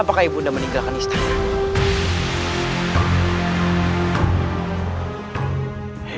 apakah ibunda meninggalkan istana